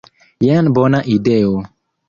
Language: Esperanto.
Jen bona ideo.